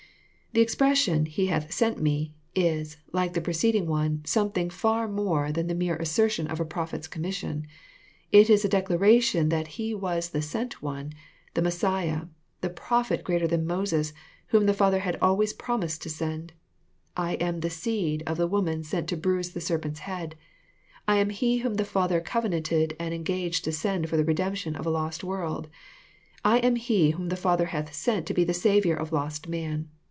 The expression " He hath sent me," is, like the preceding one, something far more than the mere assertion of a prophet's commission. It is a declaration that He was the Sent One, — the Messiah, the Prophet greater than Moses, whom the Father had always promised to send :—I am the Seed of the woman sent to bruise the serpent's head. I am He whom the Father covenanted and engaged to send for the redemption of a lost world. I am He whom the Father hath sent to be the Saviour of lost man.